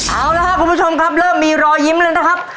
เอาละครับคุณผู้ชมครับเริ่มมีรอยยิ้มแล้วนะครับ